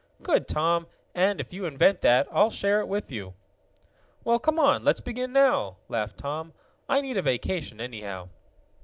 "Good, Tom! And, if you'll invent that, I'll share it with you." "Well, come on, let's begin now," laughed Tom. "I need a vacation, anyhow."